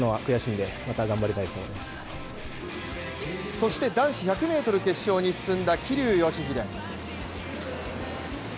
そして男子１００ｍ決勝に進んだ桐生祥秀。